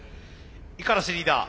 五十嵐リーダー